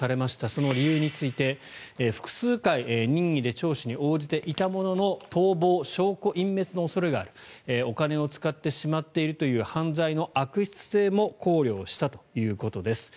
その理由について、複数回任意で聴取に応じていたものの逃亡・証拠隠滅の恐れがあるお金を使ってしまっているという犯罪の悪質性も考慮をしたということです。